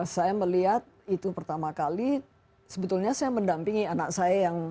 saya melihat itu pertama kali sebetulnya saya mendampingi anak saya yang